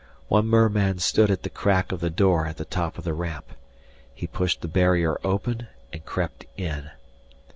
One merman stood at the crack of the door at the top of the ramp. He pushed the barrier open and crept in.